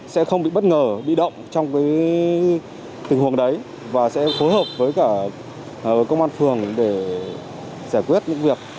sẽ không bị bất ngờ bị động trong tình huống đấy và sẽ phối hợp với cả công an phường để giải quyết những việc